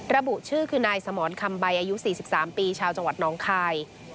ระบุชื่อคือนายสมรคำใบอายุ๔๓ปีชาวจังหวัดน้องคาย